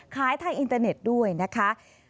ทางอินเตอร์เน็ตด้วยนะคะ